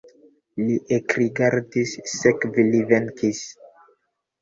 Li ekrigardis, sekve li venkis.